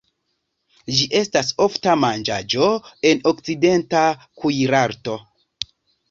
Ĝi estas ofta manĝaĵo en okcidenta kuirarto.